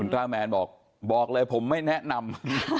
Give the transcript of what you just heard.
ตราแมนบอกบอกเลยผมไม่แนะนำ